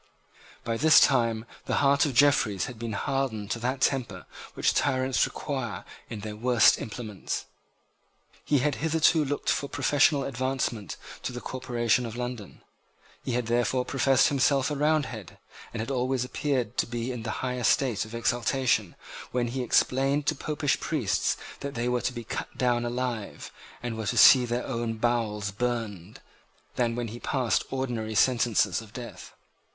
By this time the heart of Jeffreys had been hardened to that temper which tyrants require in their worst implements. He had hitherto looked for professional advancement to the corporation of London. He had therefore professed himself a Roundhead, and had always appeared to be in a higher state of exhilaration when he explained to Popish priests that they were to be cut down alive, and were to see their own bowels burned, than when he passed ordinary sentences of death.